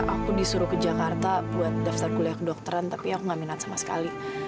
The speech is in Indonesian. aku disuruh ke jakarta buat daftar kuliah kedokteran tapi aku gak minat sama sekali